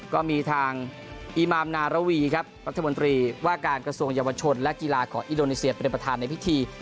ก็มีทางอีมามนารวีครับรัฐมนตรีว่าการกระทรวงเยาวชนและกีฬาของอินโดนีเซียเป็นประธานในพิธี